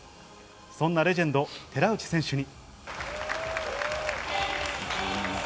そんなレジェンド・寺内選手に。